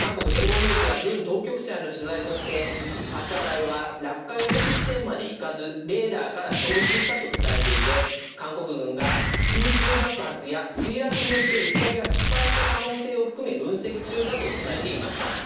ニュースは軍当局者の取材として、発射体は落下予告地点まで行かず、レーダーから消失したと伝えていて、韓国軍が空中爆発や墜落によって打ち上げが失敗した可能性も含め分析中だと伝えています。